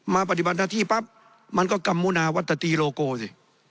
ปฏิบัติหน้าที่ปั๊บมันก็กำมุนาวัตตีโลโกสิ